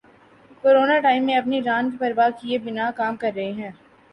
Corona time میں اپنی جان کی پرواہ کیے بنا کام کر رہے ہیں۔